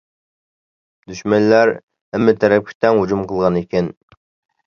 دۈشمەنلەر ھەممە تەرەپكە تەڭ ھۇجۇم قىلغان ئىكەن.